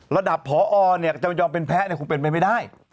ระดับพอจะยอมเป็นแพ้คงเป็นไปไม่ได้